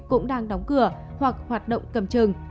cũng đang đóng cửa hoặc hoạt động cầm trừng